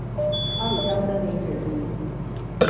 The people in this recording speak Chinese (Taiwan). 阿里山森林鐵路